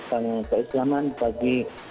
tentang keislaman bagi